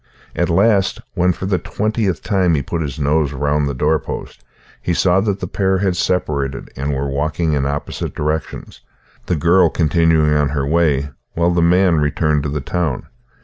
At last, when for the twentieth time he put his nose round the doorpost, he saw that the pair had separated, and were walking in opposite directions, the girl continuing on her way, while the man returned to the town.